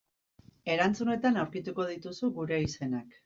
Erantzunetan aurkituko dituzu gure izenak.